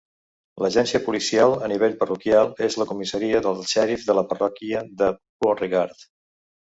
L'agència policial a nivell parroquial és la comissaria del xèrif de la parròquia de Beauregard.